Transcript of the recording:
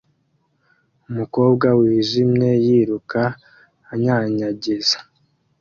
Umukobwa wijimye yiruka anyanyagiza